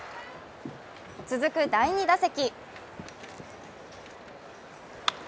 続く第２打席。